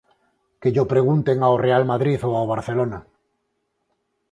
Que llo pregunten ao Real Madrid ou ao Barcelona.